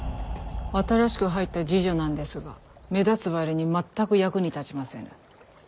新しく入った侍女なんですが目立つ割に全く役に立ちませぬ。